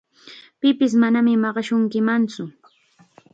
Pipis manam maqashunkimantsu.